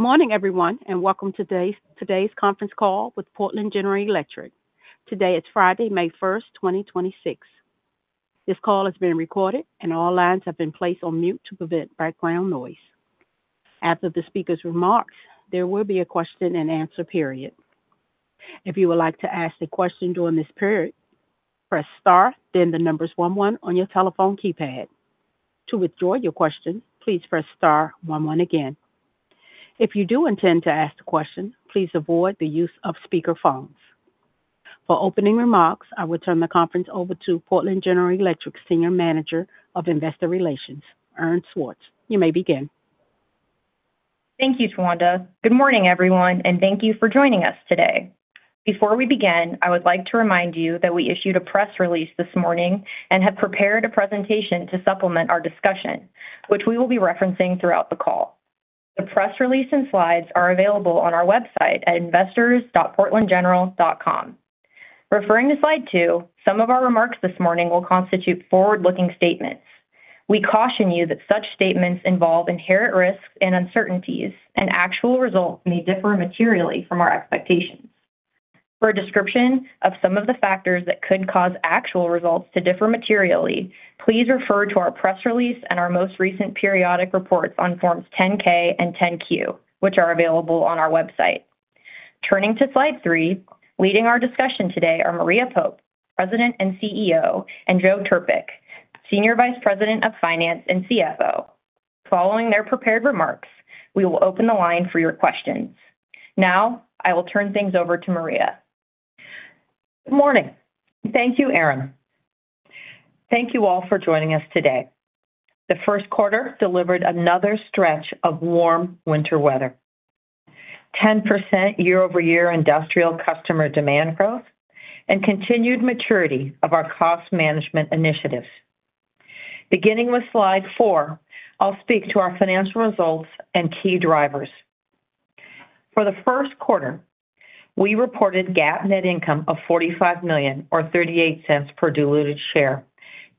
Morning everyone, and welcome today's conference call with Portland General Electric. Today is Friday, May 1st, 2026. This call is being recorded, and all lines have been placed on mute to prevent background noise. After the speaker's remarks, there will be a question-and-answer period. If you would like to ask a question during this period, press star, then the numbers one one on your telephone keypad. To withdraw your question, please press star one one again. If you do intend to ask a question, please avoid the use of speakerphones. For opening remarks, I will turn the conference over to Portland General Electric's Senior Manager of Investor Relations, Erin Schwartz. You may begin. Thank you, Tawanda. Good morning, everyone, and thank you for joining us today. Before we begin, I would like to remind you that we issued a press release this morning and have prepared a presentation to supplement our discussion, which we will be referencing throughout the call. The press release and slides are available on our website at investors.portlandgeneral.com. Referring to slide two, some of our remarks this morning will constitute forward-looking statements. We caution you that such statements involve inherent risks and uncertainties, and actual results may differ materially from our expectations. For a description of some of the factors that could cause actual results to differ materially, please refer to our press release and our most recent periodic reports on forms Form 10-K and Form 10-Q, which are available on our website. Turning to slide three, leading our discussion today are Maria Pope, President and CEO, and Joe Trpik, Senior Vice President of Finance and CFO. Following their prepared remarks, we will open the line for your questions. I will turn things over to Maria. Good morning. Thank you, Erin Schwartz. Thank you all for joining us today. The first quarter delivered another stretch of warm winter weather, 10% year-over-year industrial customer demand growth, and continued maturity of our cost management initiatives. Beginning with slide four, I'll speak to our financial results and key drivers. For the first quarter, we reported GAAP net income of $45 million or $0.38 per diluted share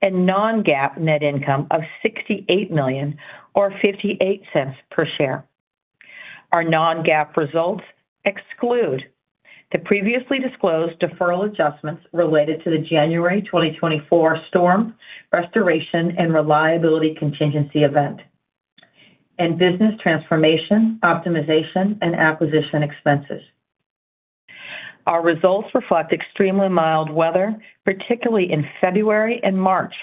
and non-GAAP net income of $68 million or $0.58 per share. Our non-GAAP results exclude the previously disclosed deferral adjustments related to the January 2024 storm restoration and Reliability Contingency Event and business transformation, optimization, and acquisition expenses. Our results reflect extremely mild weather, particularly in February and March,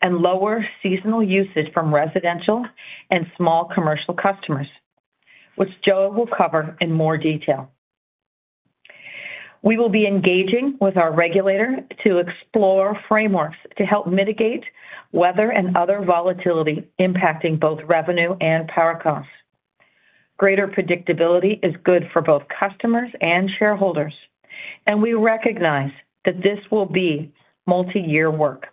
and lower seasonal usage from residential and small commercial customers, which Joe Trpik will cover in more detail. We will be engaging with our regulator to explore frameworks to help mitigate weather and other volatility impacting both revenue and power costs. Greater predictability is good for both customers and shareholders, and we recognize that this will be multi-year work.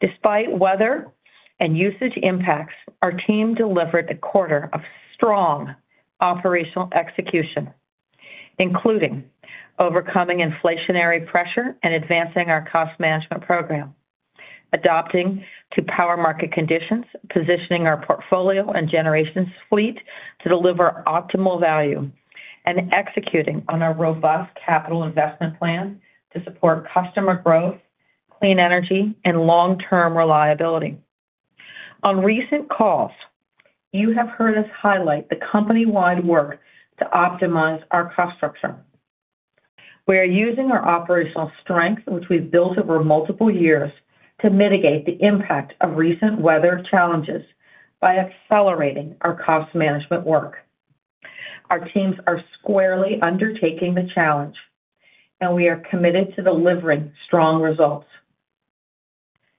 Despite weather and usage impacts, our team delivered a quarter of strong operational execution, including overcoming inflationary pressure and advancing our cost management program, adapting to power market conditions, positioning our portfolio and generation suite to deliver optimal value, and executing on our robust capital investment plan to support customer growth, clean energy, and long-term reliability. On recent calls, you have heard us highlight the company-wide work to optimize our cost structure. We are using our operational strength, which we've built over multiple years, to mitigate the impact of recent weather challenges by accelerating our cost management work. Our teams are squarely undertaking the challenge, and we are committed to delivering strong results.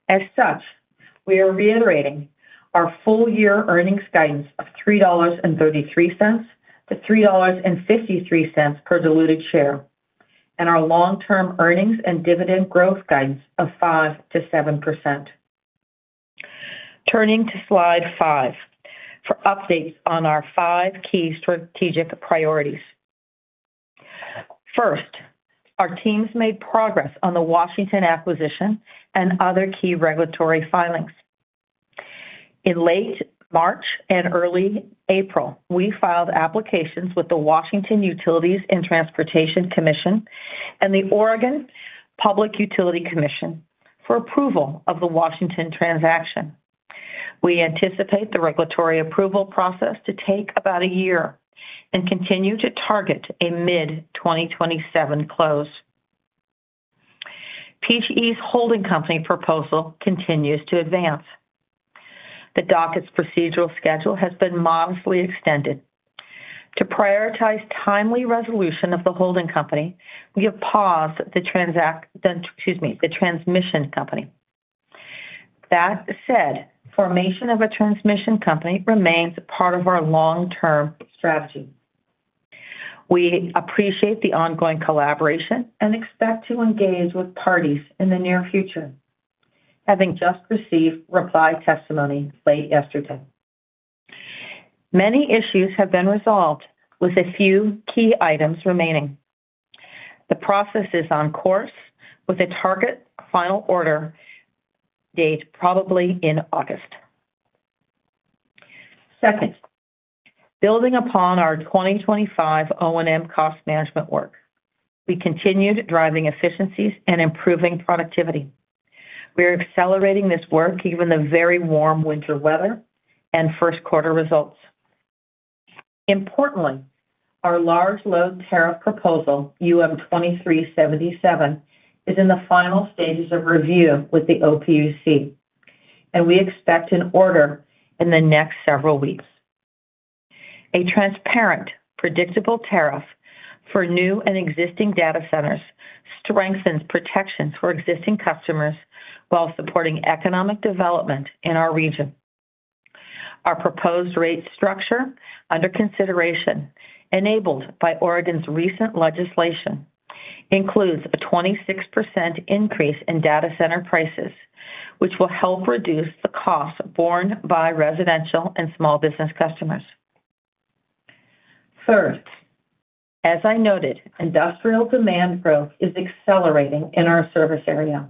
As such, we are reiterating our full year earnings guidance of $3.33-$3.53 per diluted share and our long-term earnings and dividend growth guidance of 5%-7%. Turning to slide five for updates on our five key strategic priorities. First, our teams made progress on the Washington acquisition and other key regulatory filings. In late March and early April, we filed applications with the Washington Utilities and Transportation Commission and the Oregon Public Utility Commission for approval of the Washington transaction. We anticipate the regulatory approval process to take about a year and continue to target a mid-2027 close. PGE's holding company proposal continues to advance. The docket's procedural schedule has been modestly extended. To prioritize timely resolution of the holding company, we have paused excuse me, the transmission company. That said, formation of a transmission company remains part of our long-term strategy. We appreciate the ongoing collaboration and expect to engage with parties in the near future, having just received reply testimony late yesterday. Many issues have been resolved with a few key items remaining. The process is on course with a target final order date probably in August. Second, building upon our 2025 O&M cost management work, we continued driving efficiencies and improving productivity. We are accelerating this work given the very warm winter weather and first quarter results. Importantly, our large load tariff proposal, UM 2377, is in the final stages of review with the Oregon Public Utility Commission, and we expect an order in the next several weeks. A transparent, predictable tariff for new and existing data centers strengthens protections for existing customers while supporting economic development in our region. Our proposed rate structure under consideration, enabled by Oregon's recent legislation, includes a 26% increase in data center prices, which will help reduce the costs borne by residential and small business customers. Third, as I noted, industrial demand growth is accelerating in our service area.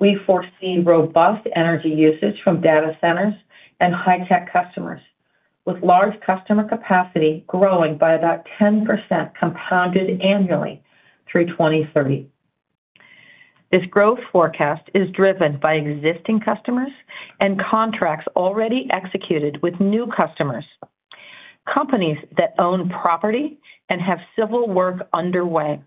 We foresee robust energy usage from data centers and high-tech customers, with large customer capacity growing by about 10% compounded annually through 2030. This growth forecast is driven by existing customers and contracts already executed with new customers, companies that own property and have civil work underway.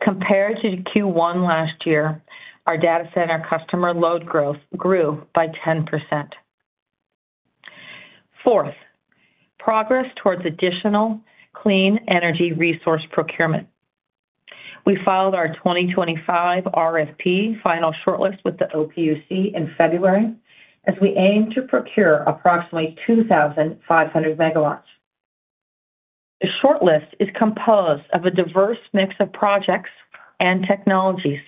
Compared to Q1 last year, our data center customer load growth grew by 10%. Fourth, progress towards additional clean energy resource procurement. We filed our 2025 RFP final shortlist with the OPUC in February as we aim to procure approximately 2,500 MW. The shortlist is composed of a diverse mix of projects and technologies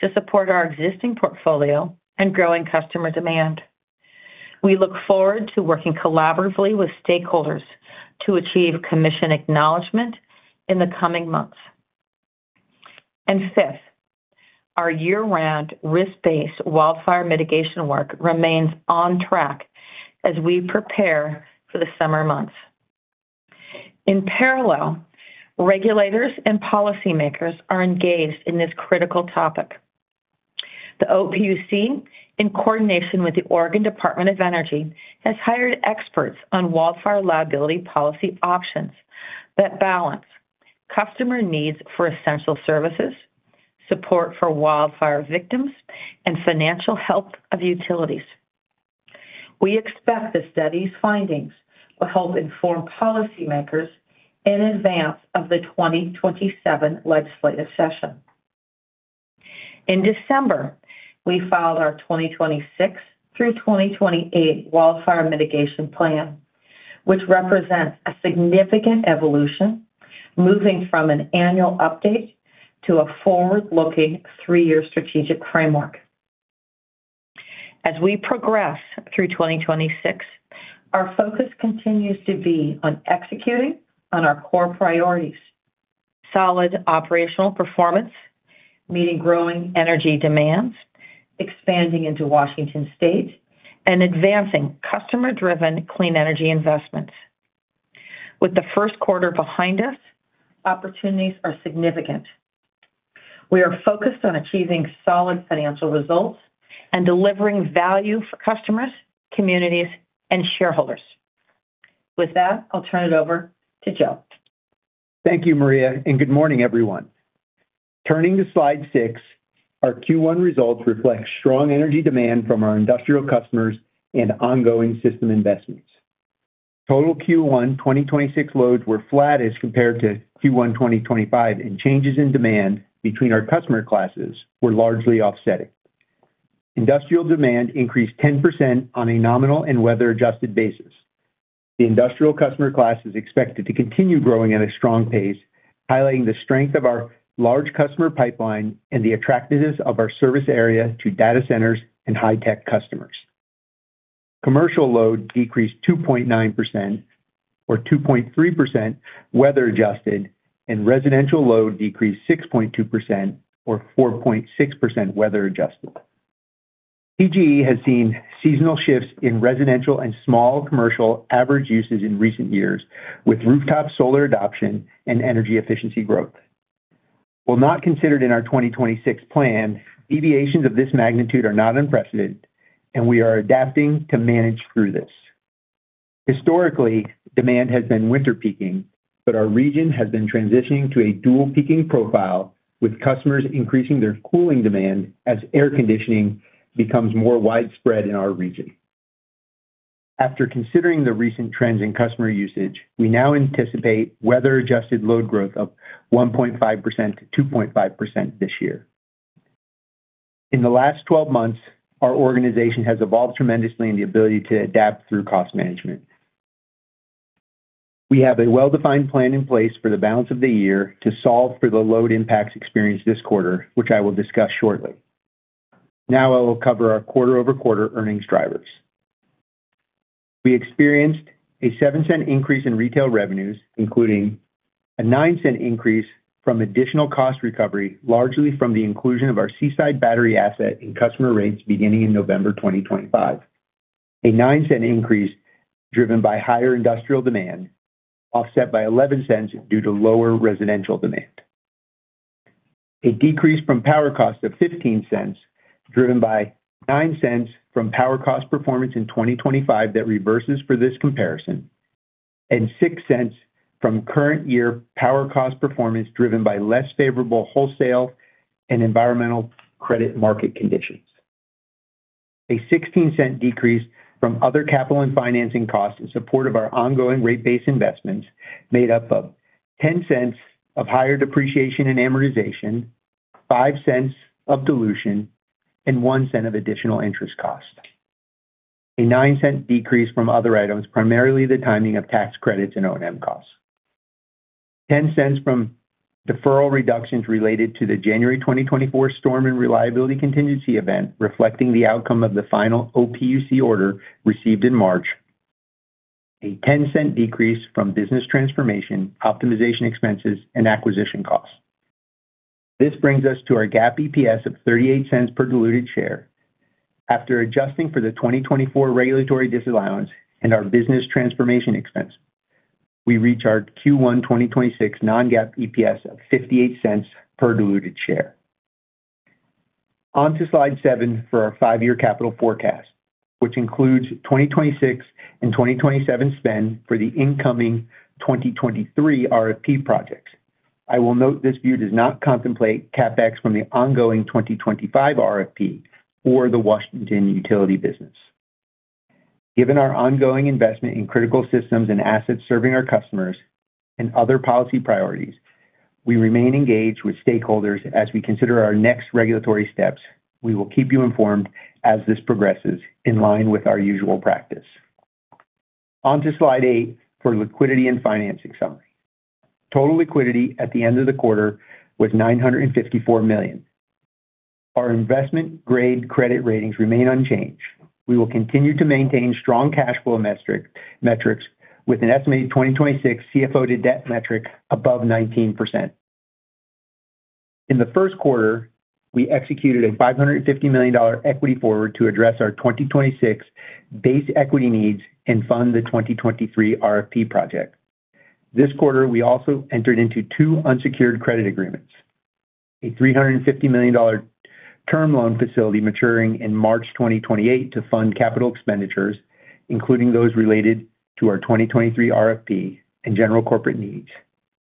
to support our existing portfolio and growing customer demand. We look forward to working collaboratively with stakeholders to achieve commission acknowledgement in the coming months. Fifth, our year-round risk-based wildfire mitigation work remains on track as we prepare for the summer months. In parallel, regulators and policymakers are engaged in this critical topic. The OPUC, in coordination with the Oregon Department of Energy, has hired experts on wildfire liability policy options that balance customer needs for essential services, support for wildfire victims, and financial health of utilities. We expect the study's findings will help inform policymakers in advance of the 2027 legislative session. In December, we filed our 2026 through 2028 wildfire mitigation plan, which represents a significant evolution, moving from an annual update to a forward-looking three-year strategic framework. As we progress through 2026, our focus continues to be on executing on our core priorities: solid operational performance, meeting growing energy demands, expanding into Washington State, and advancing customer-driven clean energy investments. With the first quarter behind us, opportunities are significant. We are focused on achieving solid financial results and delivering value for customers, communities, and shareholders. With that, I'll turn it over to Joe. Thank you, Maria. Good morning, everyone. Turning to slide six, our Q1 results reflect strong energy demand from our industrial customers and ongoing system investments. Total Q1 2026 loads were flat as compared to Q1 2025. Changes in demand between our customer classes were largely offsetting. Industrial demand increased 10% on a nominal and weather-adjusted basis. The industrial customer class is expected to continue growing at a strong pace, highlighting the strength of our large customer pipeline and the attractiveness of our service area to data centers and high-tech customers. Commercial load decreased 2.9% or 2.3% weather-adjusted. Residential load decreased 6.2% or 4.6% weather-adjusted. Portland General Electric has seen seasonal shifts in residential and small commercial average usage in recent years with rooftop solar adoption and energy efficiency growth. While not considered in our 2026 plan, deviations of this magnitude are not unprecedented, we are adapting to manage through this. Historically, demand has been winter-peaking, our region has been transitioning to a dual-peaking profile, with customers increasing their cooling demand as air conditioning becomes more widespread in our region. After considering the recent trends in customer usage, we now anticipate weather-adjusted load growth of 1.5% to 2.5% this year. In the last 12 months, our organization has evolved tremendously in the ability to adapt through cost management. We have a well-defined plan in place for the balance of the year to solve for the load impacts experienced this quarter, which I will discuss shortly. I will cover our quarter-over-quarter earnings drivers. We experienced a $0.07 increase in retail revenues, including a $0.09 increase from additional cost recovery, largely from the inclusion of our Seaside battery asset in customer rates beginning in November 2025. A $0.09 increase driven by higher industrial demand, offset by $0.11 due to lower residential demand. A decrease from power cost of $0.15, driven by $0.09 from power cost performance in 2025 that reverses for this comparison, and $0.06 from current year power cost performance driven by less favorable wholesale and environmental credit market conditions. A $0.16 decrease from other capital and financing costs in support of our ongoing rate base investments made up of $0.10 of higher depreciation and amortization, $0.05 of dilution, and $0.01 of additional interest cost. A $0.09 decrease from other items, primarily the timing of tax credits and O&M costs. $0.10 from deferral reductions related to the January 2024 storm and reliability contingency event, reflecting the outcome of the final OPUC order received in March. A $0.10 decrease from business transformation, optimization expenses, and acquisition costs. This brings us to our GAAP EPS of $0.38 per diluted share. After adjusting for the 2024 regulatory disallowance and our business transformation expense, we reach our Q1 2026 non-GAAP EPS of $0.58 per diluted share. On to slide seven for our five-year capital forecast, which includes 2026 and 2027 spend for the incoming 2023 Request for Proposals projects. I will note this view does not contemplate CapEx from the ongoing 2025 RFP or the Washington utility business. Given our ongoing investment in critical systems and assets serving our customers and other policy priorities, we remain engaged with stakeholders as we consider our next regulatory steps. We will keep you informed as this progresses in line with our usual practice. On to slide eight, for liquidity and financing summary. Total liquidity at the end of the quarter was $954 million. Our investment grade credit ratings remain unchanged. We will continue to maintain strong cash flow metrics with an estimated 2026 CFO to debt metric above 19%. In the first quarter, we executed a $550 million equity forward to address our 2026 base equity needs and fund the 2023 RFP project. This quarter, we also entered into two unsecured credit agreements. A $350 million term loan facility maturing in March 2028 to fund capital expenditures, including those related to our 2023 RFP and general corporate needs,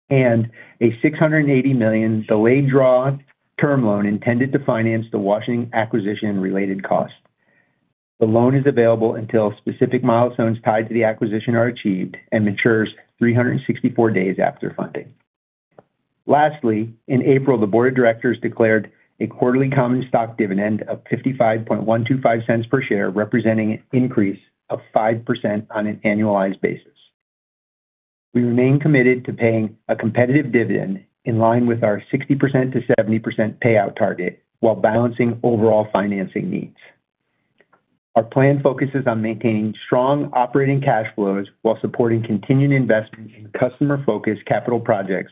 and a $680 million delayed draw term loan intended to finance the Washington acquisition and related costs. The loan is available until specific milestones tied to the acquisition are achieved and matures 364 days after funding. Lastly, in April, the board of directors declared a quarterly common stock dividend of $0.55125 per share, representing an increase of 5% on an annualized basis. We remain committed to paying a competitive dividend in line with our 60%-70% payout target while balancing overall financing needs. Our plan focuses on maintaining strong operating cash flows while supporting continued investment in customer-focused capital projects,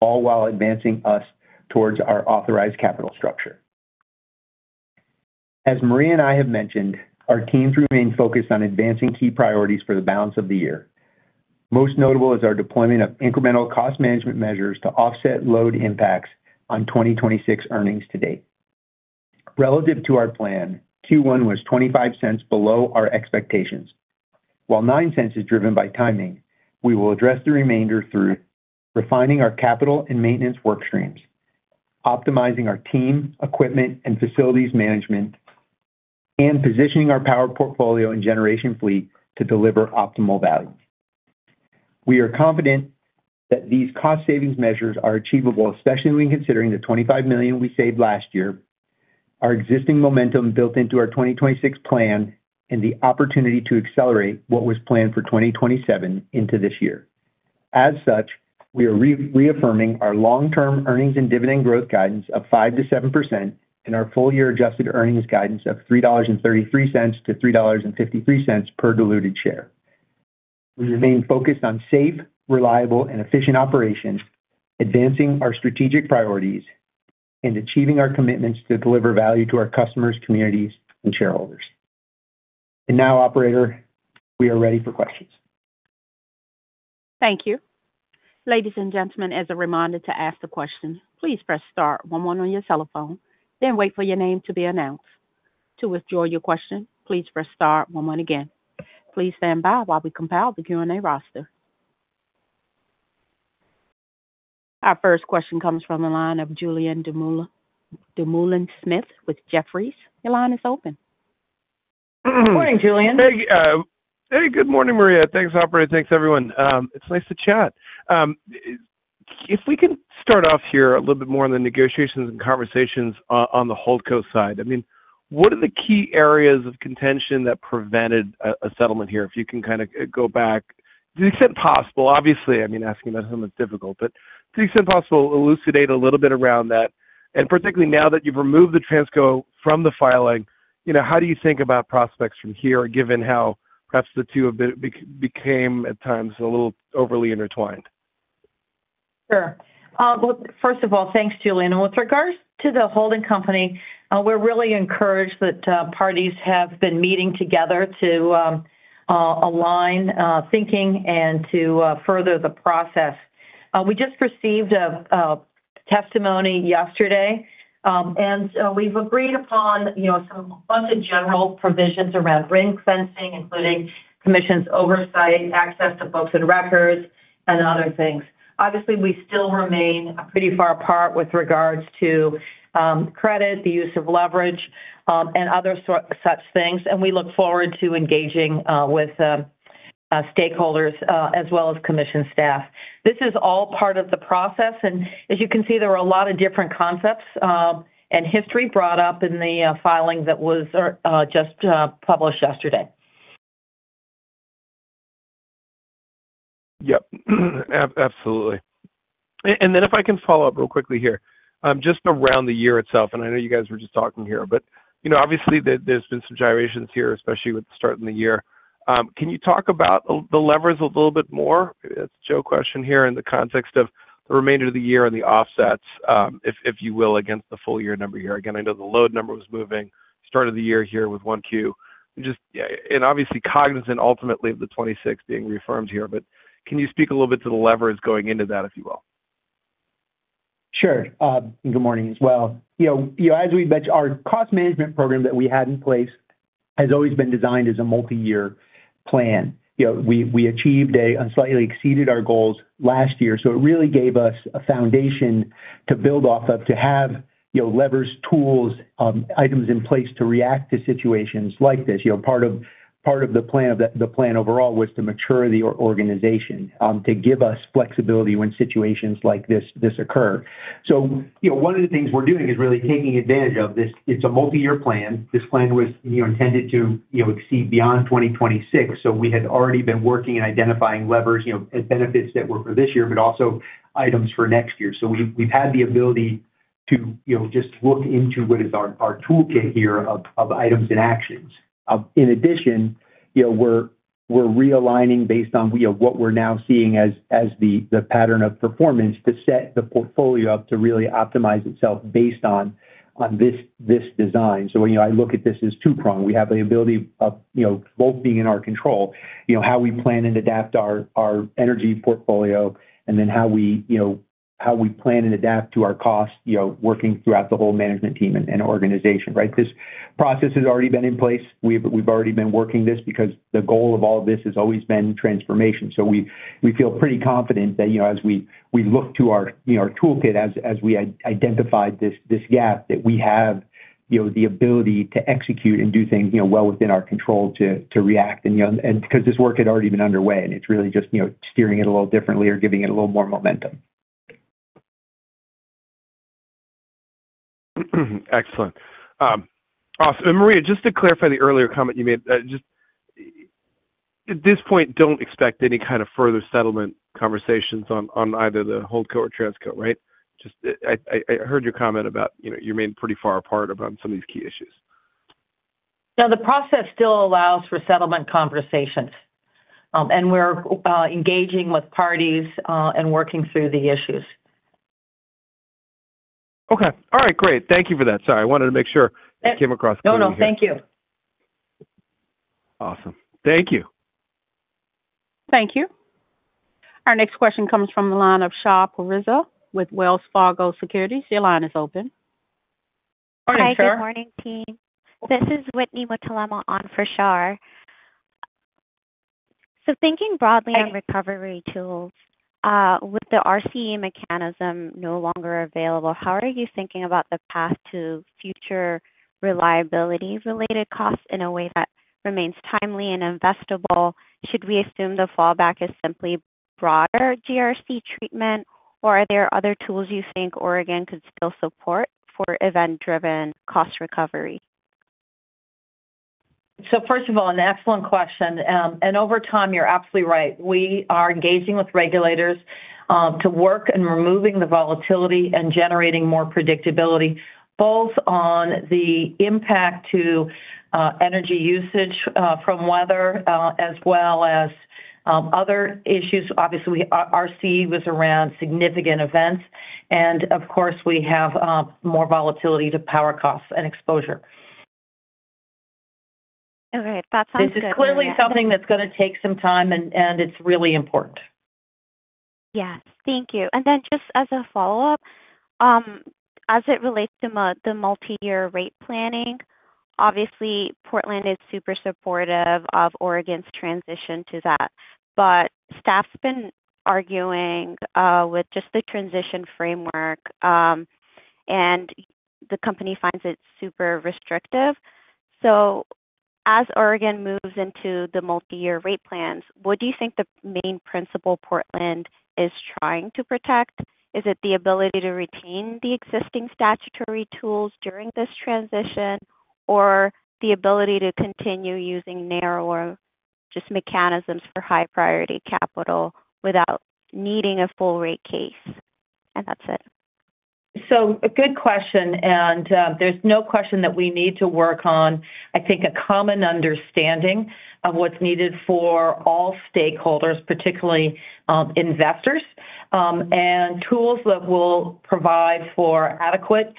all while advancing us towards our authorized capital structure. As Maria and I have mentioned, our teams remain focused on advancing key priorities for the balance of the year. Most notable is our deployment of incremental cost management measures to offset load impacts on 2026 earnings to date. Relative to our plan, Q1 was $0.25 below our expectations. While $0.09 is driven by timing, we will address the remainder through refining our capital and maintenance work streams, optimizing our team, equipment, and facilities management, and positioning our power portfolio and generation fleet to deliver optimal value. We are confident that these cost savings measures are achievable, especially when considering the $25 million we saved last year, our existing momentum built into our 2026 plan, and the opportunity to accelerate what was planned for 2027 into this year. As such, we are reaffirming our long-term earnings and dividend growth guidance of 5% to 7% and our full-year adjusted earnings guidance of $3.33-$3.53 per diluted share. We remain focused on safe, reliable, and efficient operations, advancing our strategic priorities and achieving our commitments to deliver value to our customers, communities, and shareholders. Now, operator, we are ready for questions. Thank you. Ladies and gentlemen, as a reminder to ask the question, please press star one one on your telephone. Wait for your name to be announced. To withdraw your question, please press star one one again. Please stand by while we compile the Q&A roster. Our first question comes from the line of Julien Dumoulin-Smith with Jefferies. Your line is open. Morning, Julien. Hey, hey, good morning, Maria. Thanks, operator. Thanks, everyone. It's nice to chat. If we can start off here a little bit more on the negotiations and conversations on the HoldCo side. I mean, what are the key areas of contention that prevented a settlement here? If you can kinda go back to the extent possible, obviously, I mean, asking about something that's difficult, but to the extent possible, elucidate a little bit around that. Particularly now that you've removed the Transco from the filing, you know, how do you think about prospects from here, given how perhaps the two have became at times a little overly intertwined? Sure. Well, first of all, thanks, Julien. With regards to the holding company, we're really encouraged that parties have been meeting together to align thinking and to further the process. We just received a testimony yesterday, and we've agreed upon, you know, some bundled general provisions around ring fencing, including Commission's oversight, access to books and records, and other things. Obviously, we still remain pretty far apart with regards to credit, the use of leverage, and other such things, and we look forward to engaging with stakeholders as well as Commission staff. This is all part of the process, and as you can see, there were a lot of different concepts and history brought up in the filing that was just published yesterday. Yep. Absolutely. If I can follow up real quickly here, just around the year itself, I know you guys were just talking here, you know, obviously there's been some gyrations here, especially with the start of the year. Can you talk about the levers a little bit more? It's Joe question here in the context of the remainder of the year and the offsets, if you will, against the full year number here. Again, I know the load number was moving start of the year here with 1Q. Just, yeah. Obviously cognizant ultimately of the 26 being reaffirmed here, can you speak a little bit to the levers going into that, if you will? Sure. Good morning as well. You know, as we mentioned, our cost management program that we had in place has always been designed as a multi-year plan. You know, we achieved and slightly exceeded our goals last year. It really gave us a foundation to build off of, to have, you know, levers, tools, items in place to react to situations like this. You know, part of the plan overall was to mature the organization, to give us flexibility when situations like this occur. You know, one of the things we're doing is really taking advantage of this. It's a multi-year plan. This plan was, you know, intended to, you know, exceed beyond 2026. We had already been working and identifying levers, you know, and benefits that were for this year, but also items for next year. We've had the ability to, you know, just look into what is our toolkit here of items and actions. In addition, you know, we're realigning based on, you know, what we're now seeing as the pattern of performance to set the portfolio up to really optimize itself based on this design. I look at this as two-prong. We have the ability of, you know, both being in our control, you know, how we plan and adapt our energy portfolio, and then how we, you know, how we plan and adapt to our cost, you know, working throughout the whole management team and organization, right? This process has already been in place. We've already been working this because the goal of all this has always been transformation. We feel pretty confident that, you know, as we look to our, you know, our toolkit as we identify this gap, that we have, you know, the ability to execute and do things, you know, well within our control to react. Because this work had already been underway, and it's really just, you know, steering it a little differently or giving it a little more momentum. Excellent. Awesome. Maria, just to clarify the earlier comment you made, just at this point, don't expect any kind of further settlement conversations on either the Holdco or Transco, right? I heard your comment about, you know, you remain pretty far apart about some of these key issues. No, the process still allows for settlement conversations, and we're engaging with parties, and working through the issues. Okay. All right, great. Thank you for that. Sorry, I wanted to make sure it came across clearly here. No, no, thank you. Awesome. Thank you. Thank you. Our next question comes from the line of Shar Pourreza with Wells Fargo Securities. Your line is open. Morning, Shar. Hi, good morning, team. This is Whitney with Telema on for Shar. Thinking broadly on recovery tools, with the RCE mechanism no longer available, how are you thinking about the path to future reliability-related costs in a way that remains timely and investable? Should we assume the fallback is simply broader General Rate Case treatment, or are there other tools you think Oregon could still support for event-driven cost recovery? First of all, an excellent question. Over time, you're absolutely right. We are engaging with regulators to work in removing the volatility and generating more predictability, both on the impact to energy usage from weather, as well as other issues. Obviously, RCE was around significant events, we have more volatility to power costs and exposure. Okay. That sounds good. This is clearly something that's going to take some time, and it's really important. Yes. Thank you. Just as a follow-up, as it relates to the multi-year rate planning, obviously, Portland is super supportive of Oregon's transition to that. Staff's been arguing with just the transition framework, and the company finds it super restrictive. As Oregon moves into the multi-year rate plans, what do you think the main principle Portland is trying to protect? Is it the ability to retain the existing statutory tools during this transition or the ability to continue using narrower just mechanisms for high priority capital without needing a full rate case? That's it. A good question, there's no question that we need to work on, I think, a common understanding of what's needed for all stakeholders, particularly investors, and tools that will provide for adequate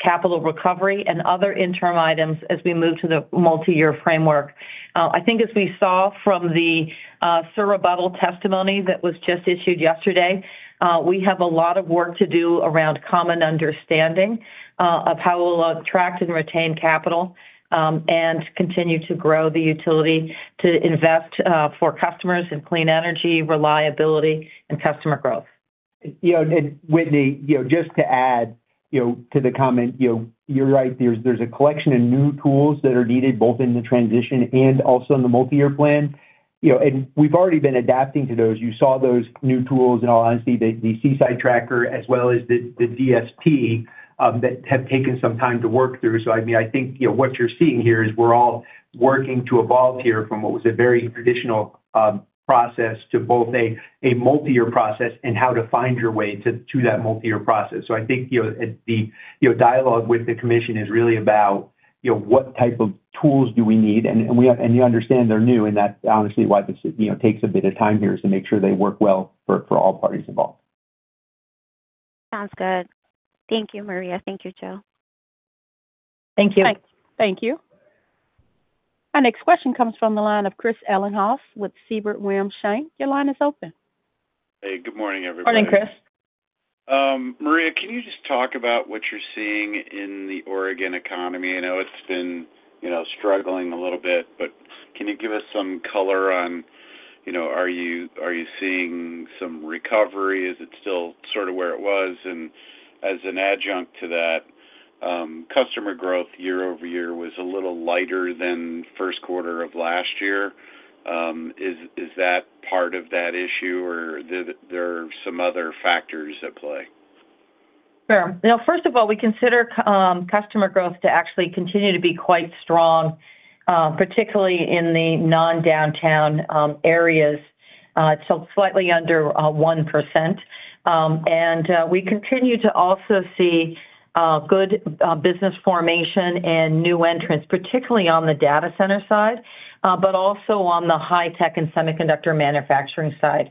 capital recovery and other interim items as we move to the Multi-Year framework. I think as we saw from the surrebuttal testimony that was just issued yesterday, we have a lot of work to do around common understanding of how we'll attract and retain capital, and continue to grow the utility to invest for customers in clean energy, reliability, and customer growth. You know, Whitney, you know, just to add, you know, to the comment, you know, you're right. There's a collection of new tools that are needed both in the transition and also in the multi-year plan. You know, we've already been adapting to those. You saw those new tools. In all honesty, the Seaside Tracker as well as the DSP that have taken some time to work through. I mean, I think, you know, what you're seeing here is we're all working to evolve here from what was a very traditional process to both a multi-year process and how to find your way to that multi-year process. I think, you know, the, you know, dialogue with the Commission is really about, you know, what type of tools do we need. You understand they're new, that's honestly why this, you know, takes a bit of time here is to make sure they work well for all parties involved. Sounds good. Thank you, Maria. Thank you, Joe. Thank you. Thank you. Our next question comes from the line of Christopher Ellinghaus with Siebert Williams Shank. Your line is open. Hey, good morning, everybody. Morning, Chris. Maria, can you just talk about what you're seeing in the Oregon economy? I know it's been, you know, struggling a little bit, but can you give us some color on, you know, are you, are you seeing some recovery? Is it still sort of where it was? As an adjunct to that, customer growth year-over-year was a little lighter than 1st quarter of last year. Is that part of that issue, or there are some other factors at play? Sure. You know, first of all, we consider customer growth to actually continue to be quite strong, particularly in the non-downtown areas. It's still slightly under 1%. We continue to also see good business formation and new entrants, particularly on the data center side, but also on the high tech and semiconductor manufacturing side.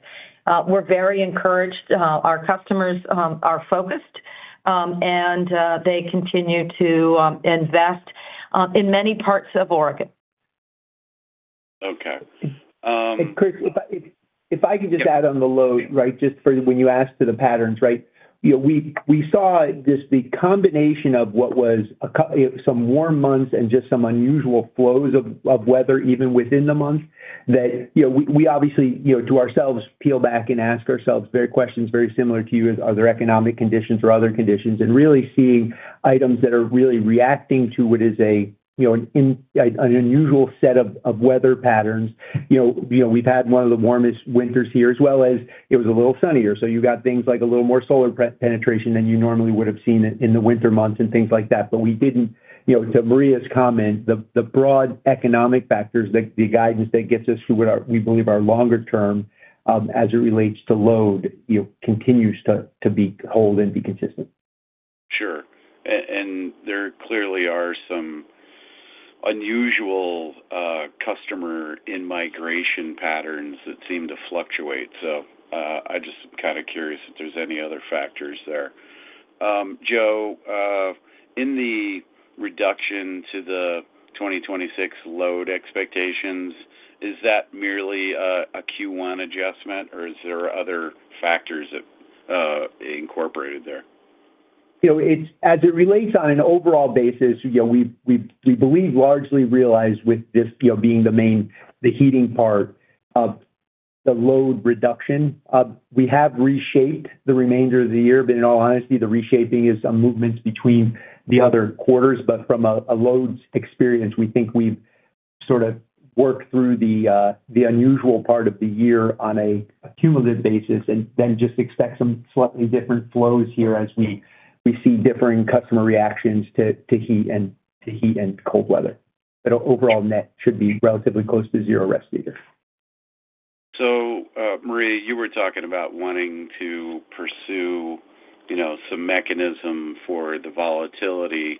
We're very encouraged. Our customers are focused, and they continue to invest in many parts of Oregon. Okay. Chris, if I could just add on the load, right? Just for when you asked to the patterns, right? You know, we saw this, the combination of what was some warm months and just some unusual flows of weather even within the month, that, you know, we obviously, you know, to ourselves peel back and ask ourselves very questions very similar to you. Are there economic conditions or other conditions? Really seeing items that are really reacting to what is a, you know, an unusual set of weather patterns. You know, we've had one of the warmest winters here, as well as it was a little sunnier, so you got things like a little more solar pre-penetration than you normally would have seen it in the winter months and things like that. We didn't, you know, to Maria's comment, the broad economic factors, the guidance that gets us through what we believe are longer term, as it relates to load, you know, continues to be whole and be consistent. Sure. There clearly are some unusual customer in-migration patterns that seem to fluctuate. I just kind of curious if there's any other factors there. Joe, in the reduction to the 2026 load expectations, is that merely a Q1 adjustment, or is there other factors that are incorporated there? You know, as it relates on an overall basis, you know, we believe largely realized with this, you know, being the main, the heating part of the load reduction. We have reshaped the remainder of the year, but in all honesty, the reshaping is some movements between the other quarters. But from a load experience, we think we've sort of worked through the unusual part of the year on a cumulative basis and then just expect some slightly different flows here as we see differing customer reactions to heat and to heat and cold weather. But overall net should be relatively close to zero rest of the year. Maria, you were talking about wanting to pursue, you know, some mechanism for the volatility.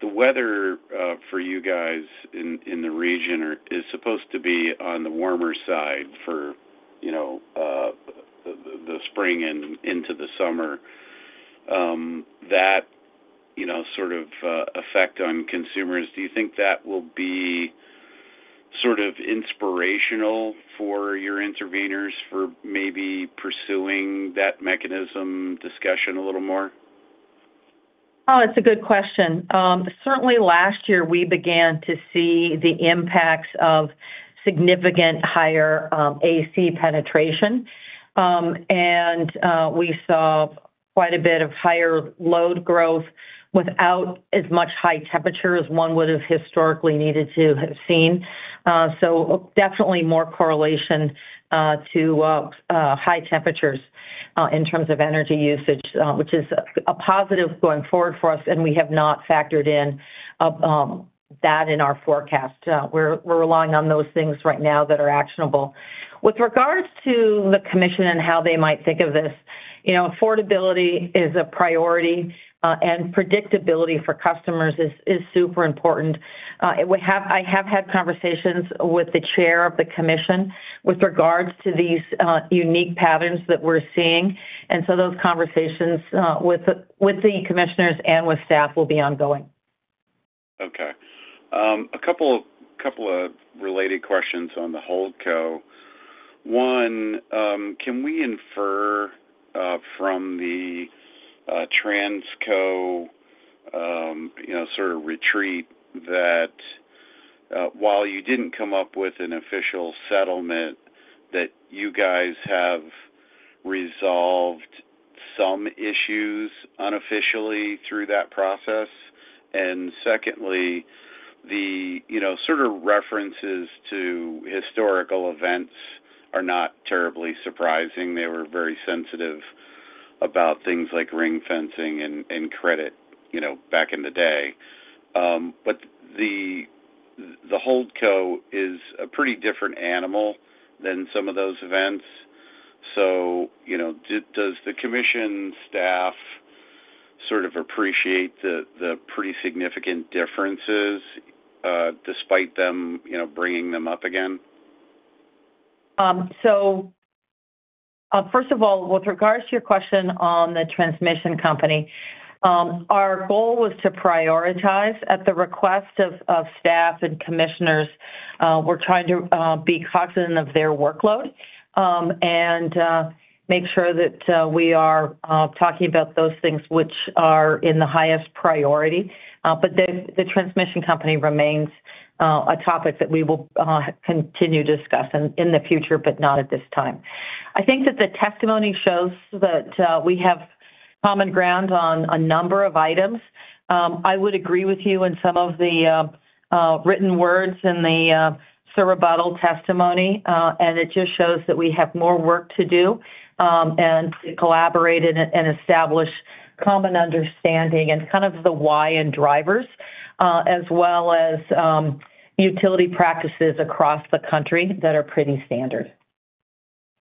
The weather, for you guys in the region is supposed to be on the warmer side for, you know, the spring and into the summer. That, you know, sort of effect on consumers, do you think that will be sort of inspirational for your interveners for maybe pursuing that mechanism discussion a little more? Oh, it's a good question. Certainly last year, we began to see the impacts of significant higher air conditioning penetration. We saw quite a bit of higher load growth without as much high temperature as one would have historically needed to have seen. Definitely more correlation to high temperatures in terms of energy usage, which is a positive going forward for us, and we have not factored in that in our forecast. We're relying on those things right now that are actionable. With regards to the commission and how they might think of this, you know, affordability is a priority, and predictability for customers is super important. I have had conversations with the chair of the commission with regards to these unique patterns that we're seeing. Those conversations, with the commissioners and with staff will be ongoing. A couple of related questions on the Holdco. One, can we infer from the Transco, you know, sort of retreat that while you didn't come up with an official settlement that you guys have resolved some issues unofficially through that process? Secondly, the, you know, sort of references to historical events are not terribly surprising. They were very sensitive about things like ring fencing and credit, you know, back in the day. The Holdco is a pretty different animal than some of those events. You know, does the commission staff sort of appreciate the pretty significant differences despite them, you know, bringing them up again? First of all, with regards to your question on the transmission company, our goal was to prioritize at the request of staff and commissioners, we're trying to be cognizant of their workload, and make sure that we are talking about those things which are in the highest priority. The transmission company remains a topic that we will continue to discuss in the future, but not at this time. I think that the testimony shows that we have common ground on a number of items. I would agree with you in some of the written words in the surrebuttal testimony, and it just shows that we have more work to do, and to collaborate and establish common understanding and kind of the why and drivers, as well as utility practices across the country that are pretty standard.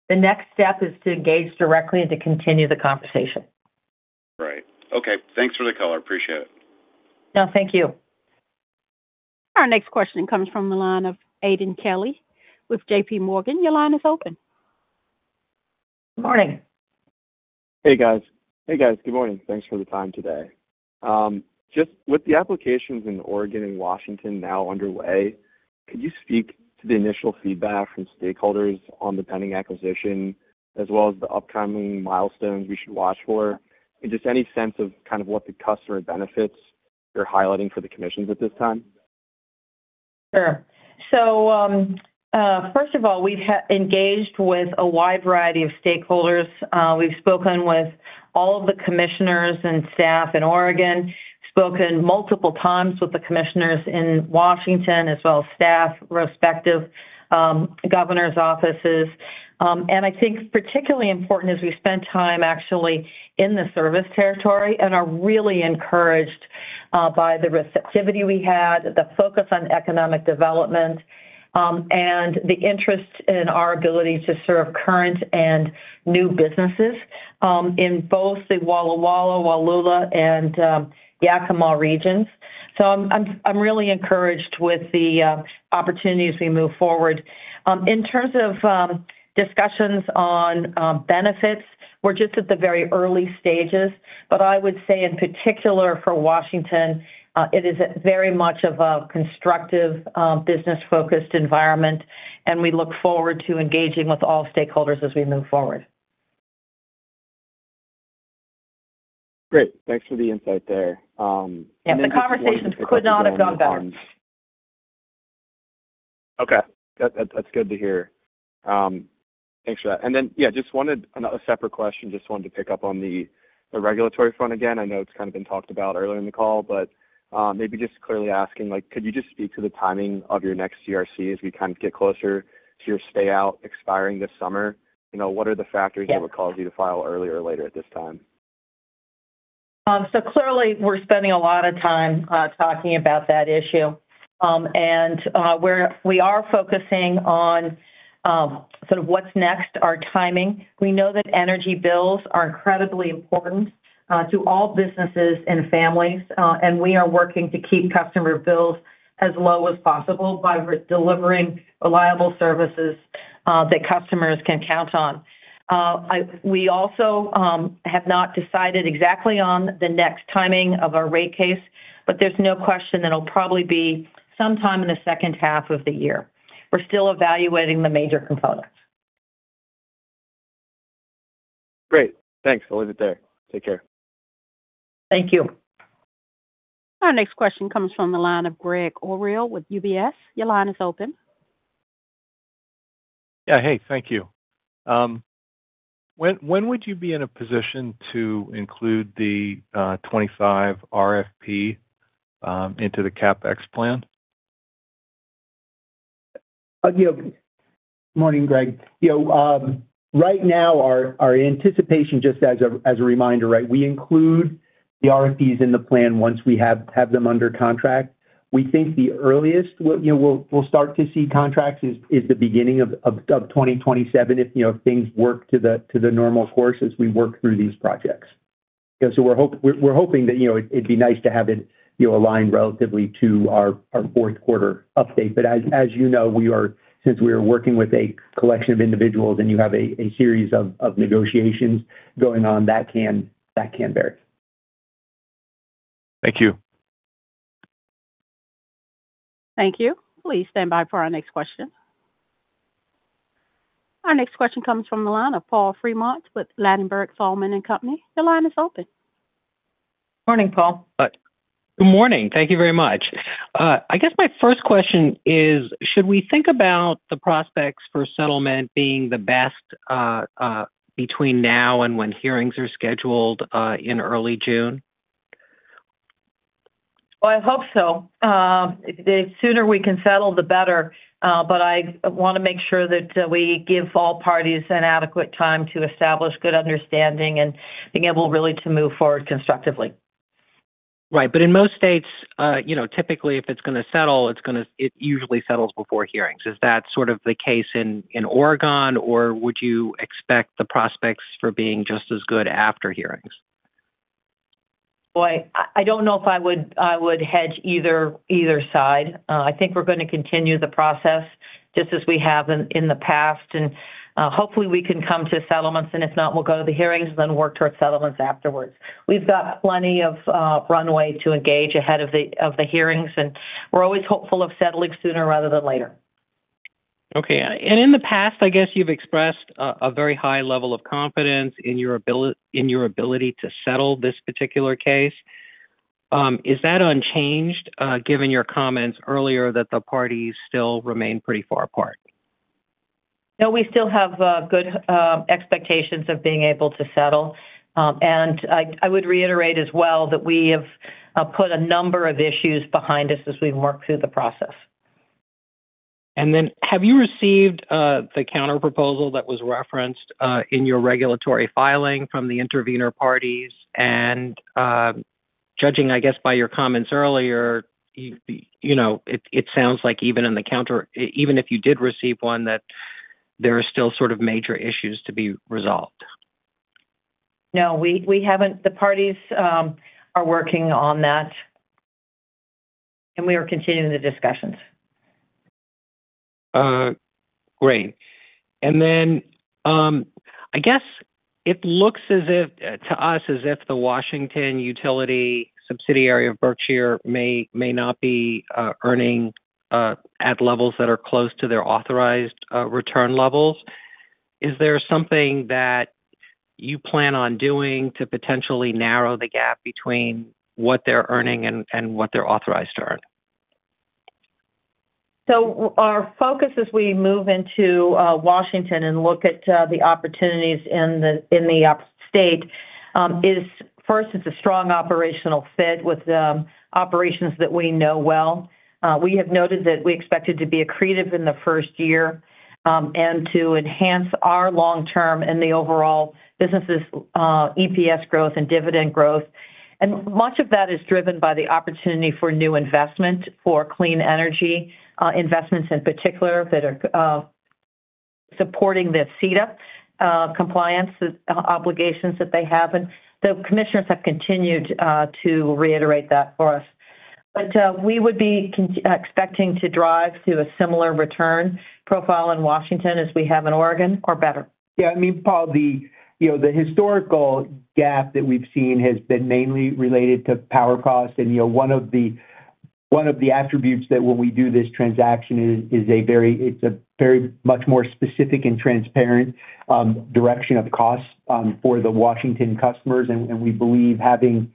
The next step is to engage directly and to continue the conversation. Right. Okay. Thanks for the call. I appreciate it. No, thank you. Our next question comes from the line of Aidan Kelly with JPMorgan. Morning. Hey, guys. Good morning. Thanks for the time today. Just with the applications in Oregon and Washington now underway, could you speak to the initial feedback from stakeholders on the pending acquisition as well as the upcoming milestones we should watch for? Just any sense of kind of what the customer benefits you're highlighting for the commissions at this time? Sure. First of all, we've engaged with a wide variety of stakeholders. We've spoken with all of the commissioners and staff in Oregon, spoken multiple times with the commissioners in Washington, as well as staff, respective, governor's offices. I think particularly important as we spend time actually in the service territory and are really encouraged by the receptivity we had, the focus on economic development, and the interest in our ability to serve current and new businesses in both the Walla Walla, Wallula, and Yakima regions. I'm really encouraged with the opportunities we move forward. In terms of discussions on benefits, we're just at the very early stages. I would say in particular for Washington, it is very much of a constructive, business-focused environment, and we look forward to engaging with all stakeholders as we move forward. Great. Thanks for the insight there. Yeah, the conversations could not have gone better. Okay. That's good to hear. Thanks for that. Yeah, a separate question, just wanted to pick up on the regulatory front again. I know it's kind of been talked about earlier in the call, maybe just clearly asking, like, could you just speak to the timing of your next GRC as we kind of get closer to your stay out expiring this summer? You know, what are the factors that would cause you to file earlier or later at this time? Clearly we're spending a lot of time talking about that issue. We are focusing on sort of what's next, our timing. We know that energy bills are incredibly important to all businesses and families, and we are working to keep customer bills as low as possible by re- delivering reliable services that customers can count on. We also have not decided exactly on the next timing of our rate case, there's no question that it'll probably be sometime in the second half of the year. We're still evaluating the major components. Great. Thanks. I'll leave it there. Take care. Thank you. Our next question comes from the line of Gregg Orrill with UBS. Yeah. Hey, thank you. When would you be in a position to include the 25 RFP into the CapEx plan? You know, Morning, Gregg. You know, right now our anticipation just as a reminder, right, we include the RFPs in the plan once we have them under contract. We think the earliest we'll, you know, we'll start to see contracts is the beginning of 2027 if, you know, things work to the normal course as we work through these projects. We're hoping that, you know, it'd be nice to have it, you know, aligned relatively to our fourth quarter update. As you know, since we are working with a collection of individuals and you have a series of negotiations going on that can vary. Thank you. Thank you. Please stand by for our next question. Our next question comes from the line of Paul Fremont with Ladenburg Thalmann & Company. Your line is open. Morning, Paul. Good morning. Thank you very much. I guess my first question is, should we think about the prospects for settlement being the best between now and when hearings are scheduled in early June? Well, I hope so. The sooner we can settle, the better. I want to make sure that we give all parties an adequate time to establish good understanding and being able really to move forward constructively. Right. In most states, you know, typically, if it's going to settle, it usually settles before hearings. Is that sort of the case in Oregon? Would you expect the prospects for being just as good after hearings? Well, I don't know if I would hedge either side. I think we're going to continue the process just as we have in the past. Hopefully we can come to settlements, and if not, we'll go to the hearings then work towards settlements afterwards. We've got plenty of runway to engage ahead of the hearings, and we're always hopeful of settling sooner rather than later. Okay. In the past, I guess you've expressed a very high level of confidence in your ability to settle this particular case. Is that unchanged, given your comments earlier that the parties still remain pretty far apart? No, we still have good expectations of being able to settle. I would reiterate as well that we have put a number of issues behind us as we work through the process. Have you received the counterproposal that was referenced in your regulatory filing from the intervener parties? Judging, I guess, by your comments earlier, you know, it sounds like even if you did receive one, that there are still sort of major issues to be resolved. No, we haven't. The parties are working on that, and we are continuing the discussions. Great. I guess it looks as if, to us, as if the Washington utility subsidiary of Berkshire may not be earning at levels that are close to their authorized return levels. Is there something that you plan on doing to potentially narrow the gap between what they're earning and what they're authorized to earn? Our focus as we move into Washington and look at the opportunities in the state is first, it's a strong operational fit with operations that we know well. We have noted that we expected to be accretive in the first year and to enhance our long-term and the overall business' EPS growth and dividend growth. Much of that is driven by the opportunity for new investment, for clean energy investments in particular that are supporting the Clean Energy Transformation Act compliance obligations that they have. The commissioners have continued to reiterate that for us. We would be expecting to drive to a similar return profile in Washington as we have in Oregon or better. Yeah. I mean, Paul, you know, the historical gap that we've seen has been mainly related to power costs. You know, one of the attributes that when we do this transaction is a very, it's a very much more specific and transparent direction of costs for the Washington customers. We believe, you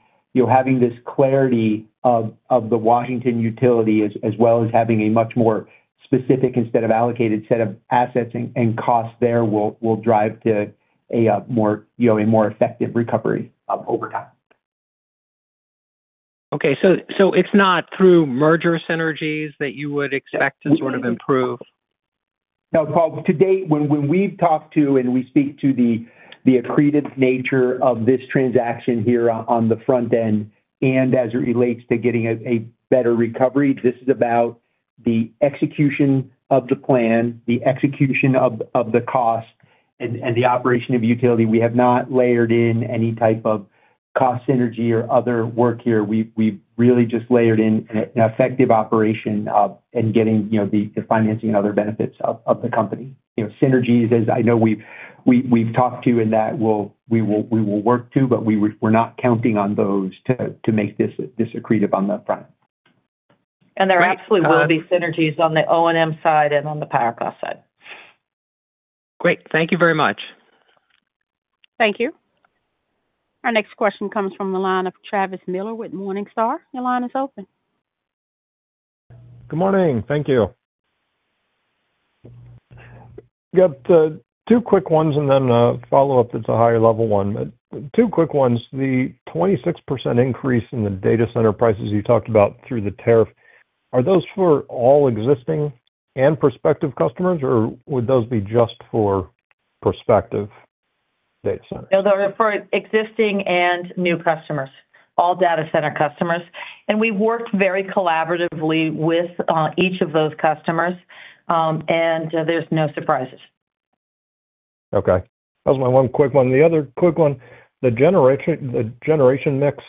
know, having this clarity of the Washington utility as well as having a much more specific instead of allocated set of assets and costs there will drive to a more, you know, a more effective recovery over time. Okay. It's not through merger synergies that you would expect to sort of improve? No, Paul. To date, when we've talked to and we speak to the accretive nature of this transaction here on the front end and as it relates to getting a better recovery, this is about the execution of the plan, the execution of the cost and the operation of utility. We have not layered in any type of cost synergy or other work here. We've really just layered in an effective operation of and getting, you know, the financing and other benefits of the company. You know, synergies, as I know we've talked to you and that we will work to, but we're not counting on those to make this accretive on that front. There actually will be synergies on the O&M side and on the power cost side. Great. Thank you very much. Thank you. Our next question comes from the line of Travis Miller with Morningstar. Your line is open. Good morning. Thank you. Got two quick ones and then a follow-up that's a higher level one. Two quick ones. The 26% increase in the data center prices you talked about through the tariff, are those for all existing and prospective customers, or would those be just for prospective data centers? No, they're for existing and new customers, all data center customers. We worked very collaboratively with each of those customers, and there's no surprises. Okay. That was my one quick one. The other quick one, the generation mix,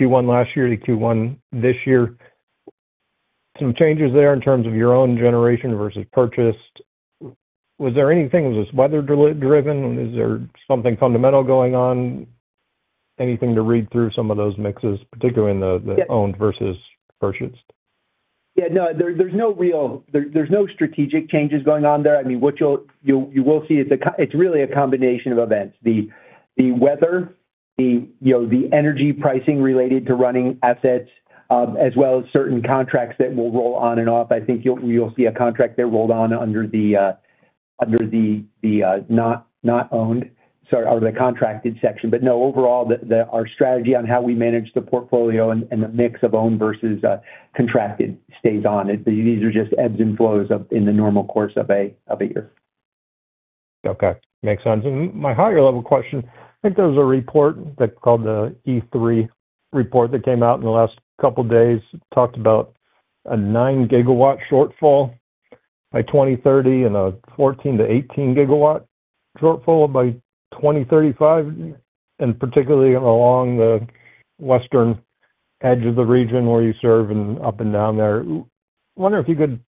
Q1 last year to Q1 this year, some changes there in terms of your own generation versus purchased. Was this weather de-driven? Is there something fundamental going on? Anything to read through some of those mixes, particularly in the owned versus purchased? Yeah, no, there's no strategic changes going on there. I mean, what you'll see is, it's really a combination of events. The weather, you know, the energy pricing related to running assets, as well as certain contracts that will roll on and off. I think you'll see a contract there rolled on under the under the not owned, sorry, or the contracted section. No, overall, our strategy on how we manage the portfolio and the mix of own versus contracted stays on. These are just ebbs and flows in the normal course of a year. Okay. Makes sense. My higher level question, I think there was a report that called the E3 report that came out in the last couple days. It talked about a 9 GW shortfall by 2030 and a 14 GW-18 GW shortfall by 2035, and particularly along the western edge of the region where you serve and up and down there. Wonder if you could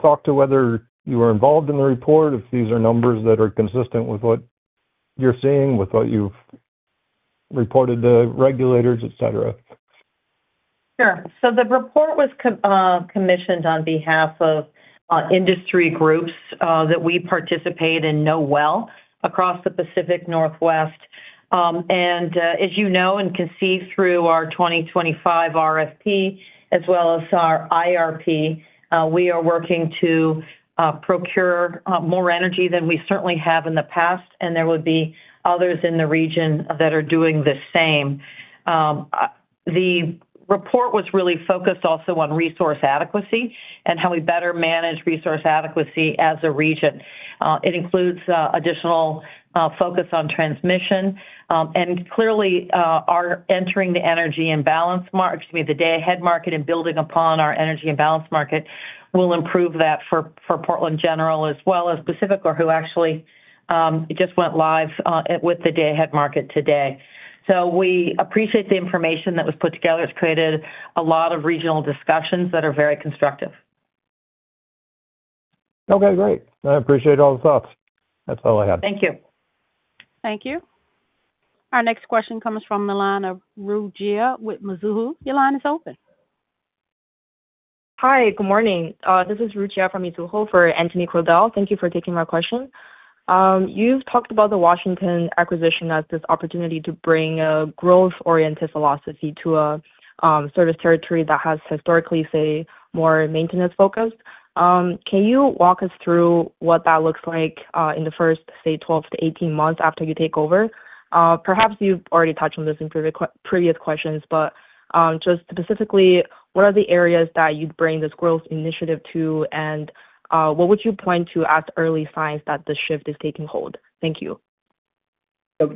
talk to whether you were involved in the report, if these are numbers that are consistent with what you're seeing, with what you've reported to regulators, et cetera. Sure. The report was commissioned on behalf of industry groups that we participate and know well across the Pacific Northwest. As you know and can see through our 2025 RFP as well as our Integrated Resource Plan, we are working to procure more energy than we certainly have in the past, and there would be others in the region that are doing the same. The report was really focused also on resource adequacy and how we better manage resource adequacy as a region. It includes additional focus on transmission. Clearly, our entering the energy imbalance market, excuse me, the day-ahead market and building upon our energy imbalance market will improve that for Portland General as well as PacifiCorp, who actually just went live with the day-ahead market today. We appreciate the information that was put together. It's created a lot of regional discussions that are very constructive. Okay, great. I appreciate all the thoughts. That's all I had. Thank you. Thank you. Our next question comes from the line of Ru Jia with Mizuho. Your line is open. Hi, good morning. This is Ru Jia from Mizuho for Anthony Crowdell. Thank you for taking my question. You've talked about the Washington acquisition as this opportunity to bring a growth-oriented philosophy to a sort of territory that has historically, say, more maintenance-focused. Can you walk us through what that looks like in the first, say, 12 to 18 months after you take over? Perhaps you've already touched on this in previous questions, but just specifically, what are the areas that you'd bring this growth initiative to? What would you point to as early signs that the shift is taking hold? Thank you.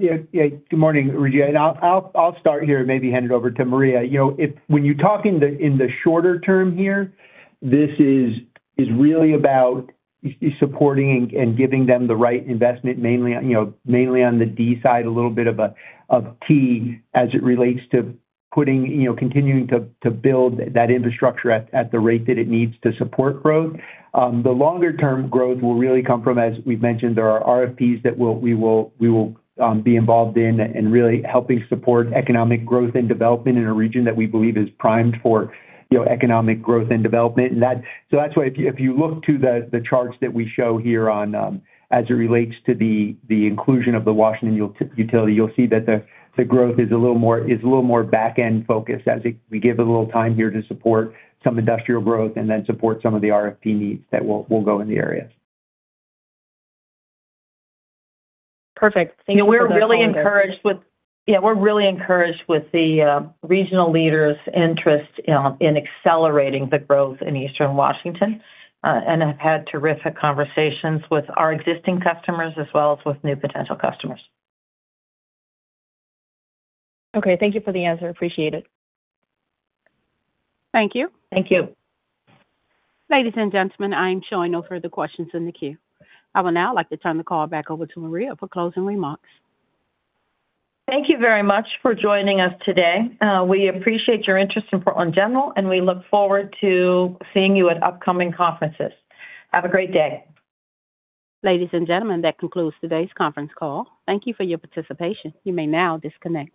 Yeah. Yeah. Good morning, Anthony Crowdell. I'll start here and maybe hand it over to Maria. You know, if when you're talking in the shorter term here, this is really about supporting and giving them the right investment, mainly, you know, mainly on the D side, a little bit of T as it relates to putting, you know, continuing to build that infrastructure at the rate that it needs to support growth. The longer term growth will really come from, as we've mentioned, there are RFPs that we will be involved in and really helping support economic growth and development in a region that we believe is primed for, you know, economic growth and development. That's why if you, if you look to the charts that we show here on, as it relates to the inclusion of the Washington Utility, you'll see that the growth is a little more, is a little more back-end focused. We give it a little time here to support some industrial growth and then support some of the RFP needs that will go in the areas. Perfect. Thank you. You know, we're really encouraged with the regional leaders' interest in accelerating the growth in Eastern Washington and have had terrific conversations with our existing customers as well as with new potential customers. Okay. Thank you for the answer. Appreciate it. Thank you. Thank you. Ladies and gentlemen, I'm showing no further questions in the queue. I would now like to turn the call back over to Maria for closing remarks. Thank you very much for joining us today. We appreciate your interest in Portland General, and we look forward to seeing you at upcoming conferences. Have a great day. Ladies and gentlemen, that concludes today's conference call. Thank you for your participation. You may now disconnect.